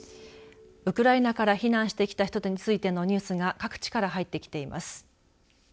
ウクライナから避難してきた人たちについてのニュースが各地から入ってきています。